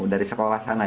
dari sekolah sana